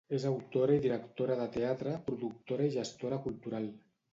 És autora i directora de teatre, productora i gestora cultural.